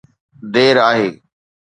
دير آهي.